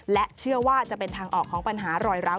และเชื่อว่าจะเป็นทางออกของปัญหารอยร้าว